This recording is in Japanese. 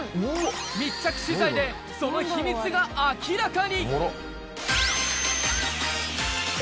密着取材で、その秘密が明らかに！